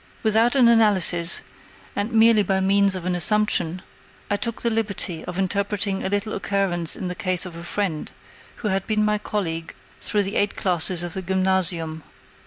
Without an analysis, and merely by means of an assumption, I took the liberty of interpreting a little occurrence in the case of a friend, who had been my colleague through the eight classes of the Gymnasium.